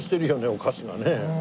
お菓子がね。